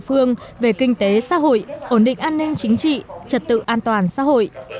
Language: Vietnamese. phương về kinh tế xã hội ổn định an ninh chính trị trật tự an toàn xã hội